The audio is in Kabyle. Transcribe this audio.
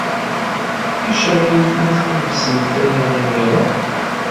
Ulac aɣilif ma tḥebsemt aya imir-a!